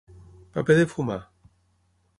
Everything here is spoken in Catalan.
Paper de fumar.